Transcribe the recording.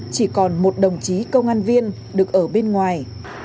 chỉ còn một đồng chí công an viên được ở bên ngoài